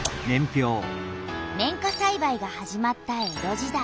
綿花さいばいが始まった江戸時代。